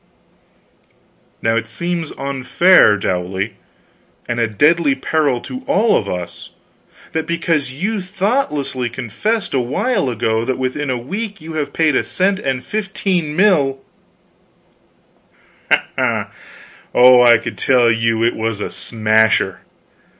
Now it seems to me unfair, Dowley, and a deadly peril to all of us, that because you thoughtlessly confessed, a while ago, that within a week you have paid a cent and fifteen mil " Oh, I tell you it was a smasher!